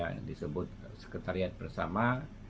yang disebut sekretariat bersama